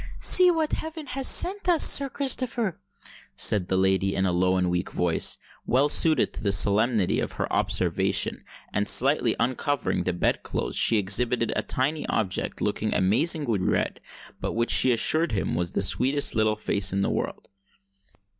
"See what heaven has sent us, Sir Christopher!" said the lady, in a low and weak voice, well suited to the solemnity of her observation; and, slightly uncovering the bed clothes, she exhibited a tiny object, looking amazingly red, but which she assured him was "the sweetest little face in the world."